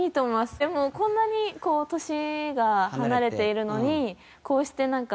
でもこんなに年が離れているのにこうしてなんか。